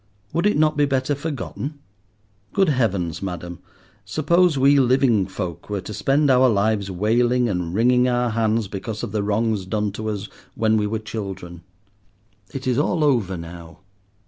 Would it not be better forgotten? Good Heavens, madam, suppose we living folk were to spend our lives wailing and wringing our hands because of the wrongs done to us when we were children? It is all over now.